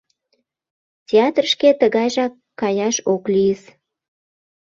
— Театрышке тыгайжак каяш ок лийыс.